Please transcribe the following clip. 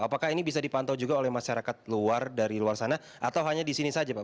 apakah ini bisa dipantau juga oleh masyarakat luar dari luar sana atau hanya di sini saja pak